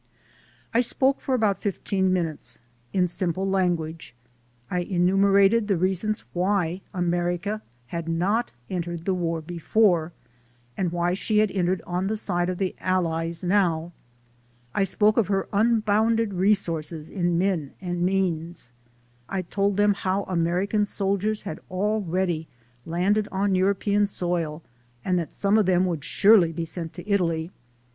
I spoke for about fifteen minutes ; in simple language I enumerated the reasons why America had not entered the war before, and why she had entered on the side of the Allies now; I spoke of her unbounded resources in men and means ; I told them how American soldiers had already landed on European soil and that some of them 320 THE SOUL OF AN IMMIGRANT would surely be sent to Italy.